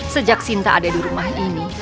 sejak sinta ada di rumah ini